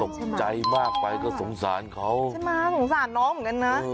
ใจมากไปก็สงสารเขาใช่ไหมสงสารน้องเหมือนกันนะ